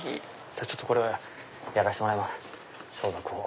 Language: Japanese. じゃあちょっとやらせてもらいます消毒を。